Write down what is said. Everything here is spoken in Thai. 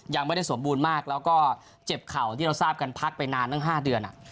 ยังไม่ได้สมบูรณ์มากแล้วก็เจ็บเข่าที่เราทราบกันพักไปนานตั้ง๕เดือน